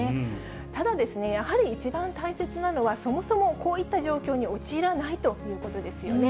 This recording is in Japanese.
ただですね、やはり一番大切なのは、そもそもこういった状況に陥らないということですよね。